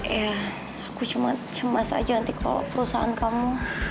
ya aku cuma cemas aja nanti kalau perusahaan kamu